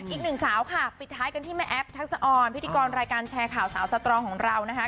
อีกหนึ่งสาวค่ะปิดท้ายกันที่แม่แอฟทักษะออนพิธีกรรายการแชร์ข่าวสาวสตรองของเรานะคะ